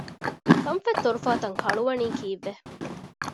ކަންފަތް ތޮރުފާ ތަން ކަޅުވަނީ ކީއްވެ؟